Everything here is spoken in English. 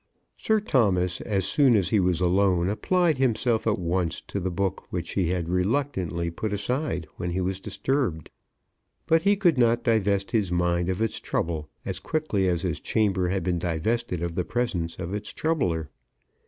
Sir Thomas, as soon as he was alone, applied himself at once to the book which he had reluctantly put aside when he was disturbed. But he could not divest his mind of its trouble, as quickly as his chamber had been divested of the presence of its troubler.